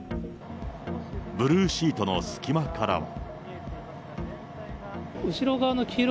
ブルーシートの隙間からは。